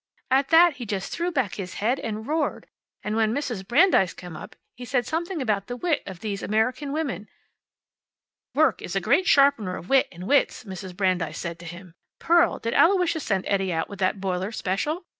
At that he just threw back his head and roared. And when Mrs. Brandeis came up he said something about the wit of these American women. `Work is a great sharpener of wit and wits,' Mrs. Brandeis said to him. `Pearl, did Aloysius send Eddie out with that boiler, special?'